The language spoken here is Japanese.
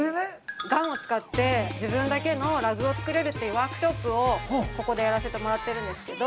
◆ガンを使って自分だけのラグを作れるっていうワークショップをここでやらせてもらってるんですけど。